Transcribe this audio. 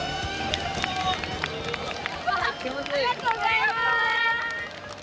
ありがとうございます！